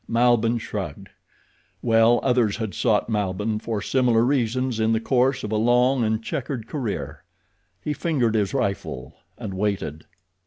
Malbihn shrugged. Well, others had sought Malbihn for similar reasons in the course of a long and checkered career. He fingered his rifle, and waited.